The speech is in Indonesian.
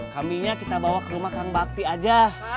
kambingnya kita bawa ke rumah kang bakti aja